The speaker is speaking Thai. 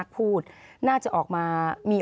ขอบคุณครับ